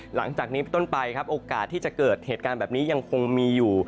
หลังจากนี้เป็นต้นไปครับโอกาสที่จะเกิดเหตุการณ์แบบนี้ยังคงมีอยู่